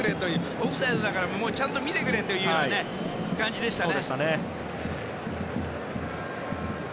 オフサイドだからちゃんと見てくれというような感じでしたね。